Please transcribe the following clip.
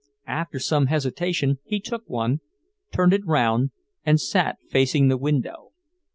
After some hesitation he took one, turned it round, and sat down facing the window.